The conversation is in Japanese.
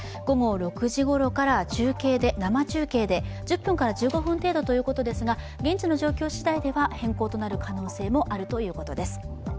午後６時ごろから生中継で１０分から１５分程度ということですが現地の状況しだいでは変更となる可能性もあるということです。